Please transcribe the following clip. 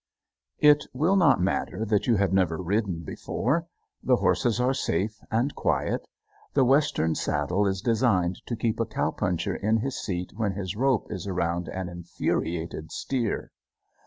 It will not matter that you have never ridden before. The horses are safe and quiet. The Western saddle is designed to keep a cow puncher in his seat when his rope is around an infuriated steer.